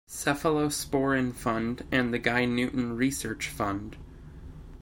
Cephalosporin Fund and The Guy Newton Research Fund.